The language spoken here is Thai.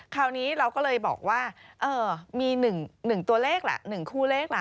คราวนี้เราก็เลยบอกว่ามี๑ตัวเลขแหละ๑คู่เลขล่ะ